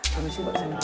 kumisik pak saya menang